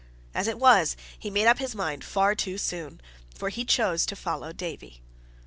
As it was, he made up his mind far too soon, for he chose to follow Davie.